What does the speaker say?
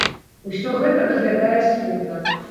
Усё гэта выглядае сумна.